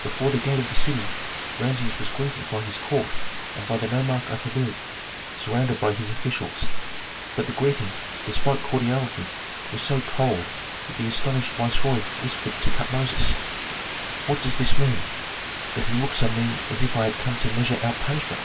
Before the gate of the city Rameses was greeted by his court and by the nomarch of Habu surrounded by his officials. But the greeting, despite cordiality, was so cold that the astonished viceroy whispered to Tutmosis, "What does this mean, that he looks on me as if I had come to measure out punishment?"